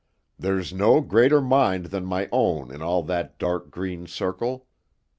There's no greater mind than my own in all that dark green circle.